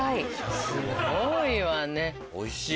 すごいわね。